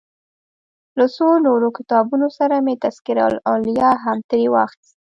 له څو نورو کتابونو سره مې تذکرة الاولیا هم ترې واخیست.